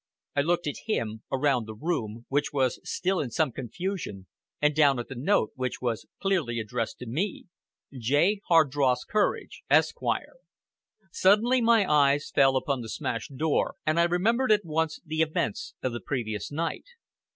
I looked at him, around the room, which was still in some confusion, and down at the note, which was clearly addressed to me, J. Hardross Courage, Esq. Suddenly my eyes fell upon the smashed door, and I remembered at once the events of the previous night.